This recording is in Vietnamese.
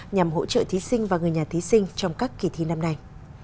nhằm hỗ trợ thí sinh và người nhà thí sinh trong các kỳ thi năm nay